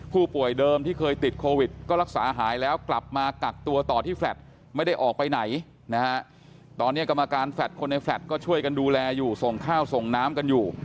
ผู้ป่วยเดิมที่เคยติดโควิดก็รักษาหายแล้วกลับมากักตัวต่อที่แลตไม่ได้ออกไปไหนนะฮะตอนนี้กรรมการแฟลตคนในแฟลตก็ช่วยกันดูแลอยู่ส่งข้าวส่งน้ำกันอยู่